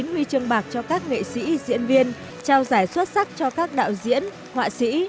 hai mươi huy chương bạc cho các nghệ sĩ diễn viên trao giải xuất sắc cho các đạo diễn họa sĩ